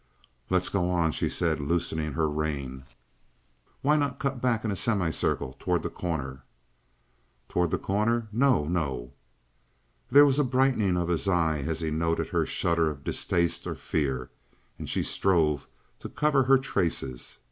"Let's go on," she said, loosening her rein. "Why not cut back in a semicircle toward The Corner?" "Toward The Corner? No, no!" There was a brightening of his eye as he noted her shudder of distaste or fear, and she strove to cover her traces.